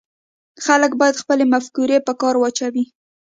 خلک باید خپلې مفکورې په کار واچوي